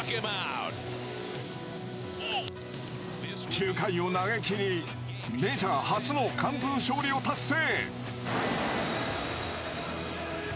９回を投げきりメジャー初の、完封勝利を達成。